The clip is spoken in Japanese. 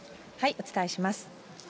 お伝えします。